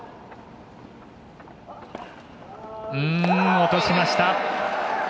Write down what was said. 落としました。